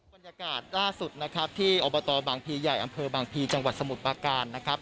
บรรยากาศล่าสุดนะครับที่อบตบางพีใหญ่อำเภอบางพีจังหวัดสมุทรปาการนะครับ